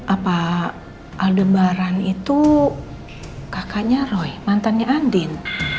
apa aldembaran itu kakaknya roy mantannya andin